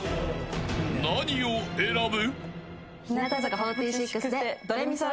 何を選ぶ。